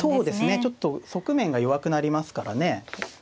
ちょっと側面が弱くなりますからね。